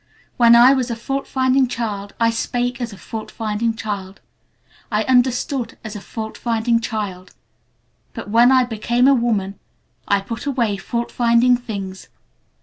When I was a fault finding child I spake as a fault finding child, I understood as a fault finding child, but when I became a woman I put away fault finding things.